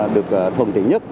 được thuận tiện nhất